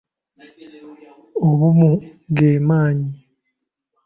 Obumu ge maanyi.